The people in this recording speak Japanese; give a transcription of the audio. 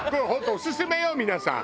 オススメよ皆さん！